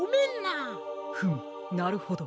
フムなるほど。